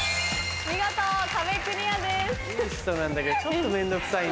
見事壁クリアです。